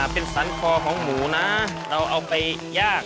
เป็นสรรคอของหมูนะเราเอาไปย่าง